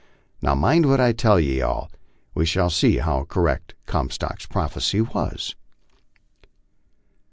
Now mind what I tell ye all." We shall see how correct Com stock's prophecy was.